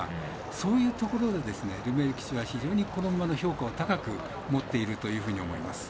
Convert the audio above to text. そういうところがルメール騎手はこの馬の評価を高く持っているというふうに思います。